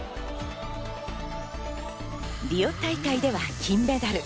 リオ大会では金メダル。